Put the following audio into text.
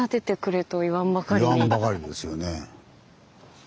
言わんばかりですよね。